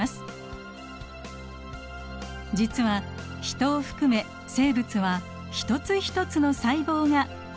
実はヒトを含め生物は一つ一つの細胞が酸素を取り込み